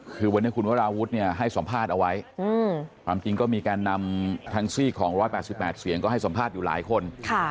คือวันนี้คุณวราวุฒิเนี่ยให้สัมภาษณ์เอาไว้ความจริงก็มีแกนนำทั้งซีกของ๑๘๘เสียงก็ให้สัมภาษณ์อยู่หลายคน